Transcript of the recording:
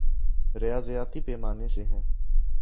ریاضیاتی پیمانے سے ہی